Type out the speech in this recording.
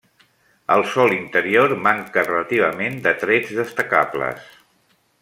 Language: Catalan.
El sòl interior manca relativament de trets destacables.